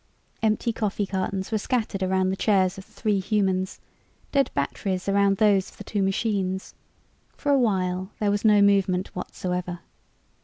Empty coffee cartons were scattered around the chairs of the three humans, dead batteries around those of the two machines. For a while, there was no movement whatsoever.